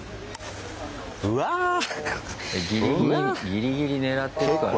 ギリギリ狙ってるからね。